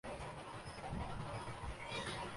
اس عمر میں کافی زمانہ دیکھ چکے ہیں۔